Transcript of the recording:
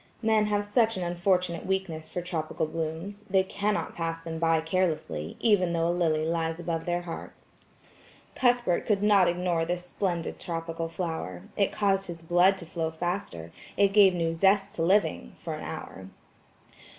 Men have such an unfortunate weakness for tropical blooms, they cannot pass them by carelessly, even though a lily lies above their hearts. Cuthbert could not ignore this splendid tropical flower; it caused his blood to flow faster, it gave new zest to living–for an hour.